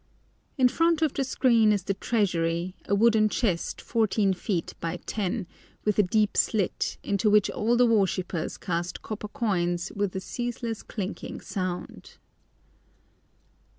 In front of the screen is the treasury, a wooden chest 14 feet by 10, with a deep slit, into which all the worshippers cast copper coins with a ceaseless clinking sound.